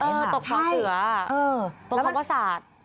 เออตกของเสือตรงคำวัศาสตร์